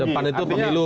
tahun depan itu pemilu